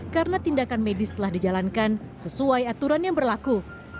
karena tindakan medis telah dijalankan sesuai aturan yang berlaku